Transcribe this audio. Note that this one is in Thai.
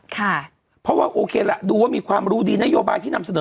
ค่ะเพราะว่าโอเคล่ะดูว่ามีความรู้ดีนโยบายที่นำเสนอ